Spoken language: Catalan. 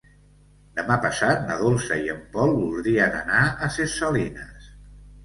Demà passat na Dolça i en Pol voldrien anar a Ses Salines.